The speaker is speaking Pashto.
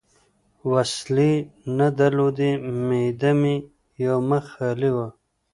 وسلې نه درلودې، معده مې یو مخ خالي وه.